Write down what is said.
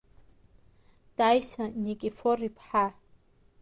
Таиса Никифор-иԥҳа!